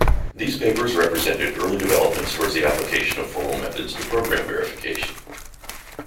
These papers represented early developments towards the application of formal methods to program verification.